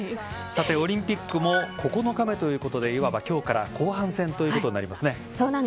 オリンピックも９日目ということでいわば今日から後半戦ということになりますね。